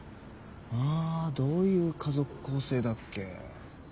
あどういう家族構成だっけ。